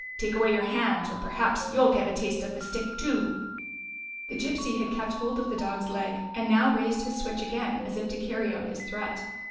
Take away your hands, or perhaps you 'll get a taste of the stick, too !" The Gypsy had kept hold of the dog's leg, and now raised his switch again as if to carry out his threat.